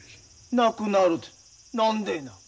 なくなるて何でな？